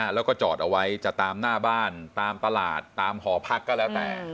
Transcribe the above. แล้วก็จอดเอาไว้จะตามหน้าบ้านตามตลาดตามหอพักก็แล้วแต่